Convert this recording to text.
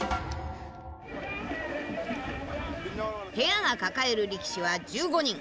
部屋が抱える力士は１５人。